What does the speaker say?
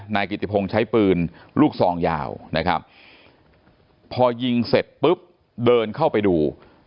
นายกิติพงศ์ใช้ปืนลูกซองยาวนะครับพอยิงเสร็จปุ๊บเดินเข้าไปดู